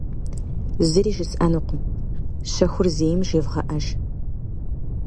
Зыри жысӏэнукъым, щэхур зейм жевгъэӏэж.